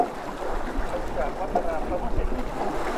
ปัญจวัฒนาพลาสติก